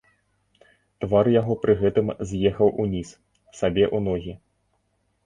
Твар яго пры гэтым з'ехаў уніз, сабе ў ногі.